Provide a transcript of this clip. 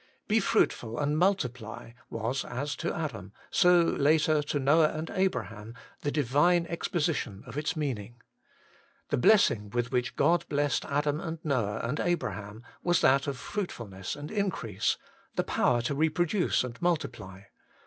' Be fruitful and multiply ' was, as to Adam, so later to Noah and Abraham, the Divine exposition of its meaning. The blessing with which God blessed Adam and Noah and Abraham was that of fruitfulness and increase, the power to reproduce and multiply.